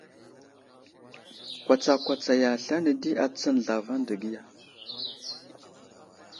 Kwatsakwatsaya aslane di atsən zlavaŋ degiya.